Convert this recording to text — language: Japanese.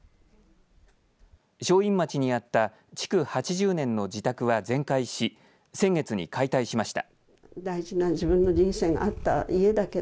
正院町にあった築８０年の自宅は全壊し先月に解体しました。